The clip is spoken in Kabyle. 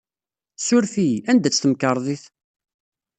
Ssuref-iyi, anda-tt temkarḍit?